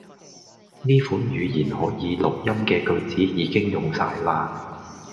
呢款語言可以錄音既句子已經用哂啦